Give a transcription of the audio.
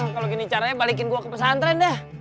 kalo gini caranya balikin gue ke pesantren deh